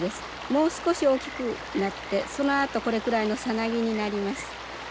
もう少し大きくなってそのあとこれくらいのサナギになります。